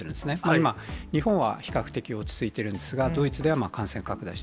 今、日本は比較的落ち着いているんですが、ドイツでは感染拡大し